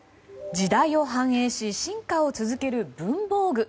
時代を反映し進化を続ける文房具。